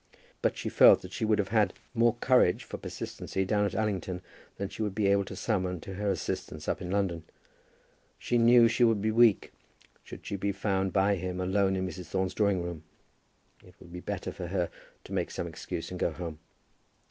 But she felt that she would have had more courage for persistency down at Allington than she would be able to summon to her assistance up in London. She knew she would be weak, should she be found by him alone in Mrs. Thorne's drawing room. It would be better for her to make some excuse and go home.